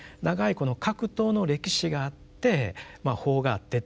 この格闘の歴史があって法があってっていうことですね。